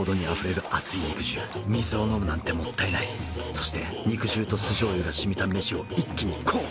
そして肉汁と酢醤油がしみた飯を一気にこう！